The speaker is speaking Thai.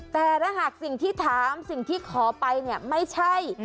แต่ถ้าหากสิ่งที่ถามสิ่งที่ขอไปเนี่ยไม่ใช่